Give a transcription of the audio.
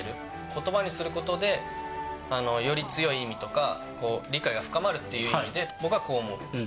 ことばにすることで、より強い意味とか、理解が深まるっていう意味で、僕はこう思う。